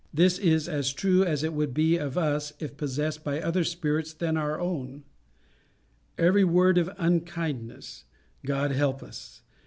This is as true as it would be of us if possessed by other spirits than our own. Every word of unkindness, God help us!